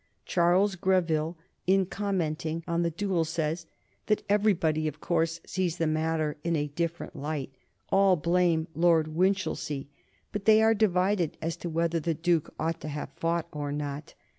Charles Greville, in commenting on the duel, says that "everybody, of course, sees the matter in a different light; all blame Lord Winchilsea, but they are divided as to whether the Duke ought to have fought or not."